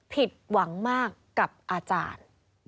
ผิดหวังมากกับอาจารย์